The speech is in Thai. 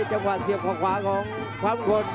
โอ้โหไม่พลาดกับธนาคมโดโด้แดงเขาสร้างแบบนี้